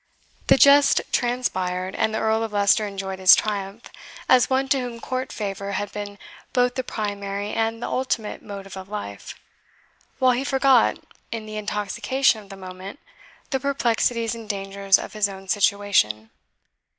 The jest transpired, and the Earl of Leicester enjoyed his triumph, as one to whom court favour had been both the primary and the ultimate motive of life, while he forgot, in the intoxication of the moment, the perplexities and dangers of his own situation.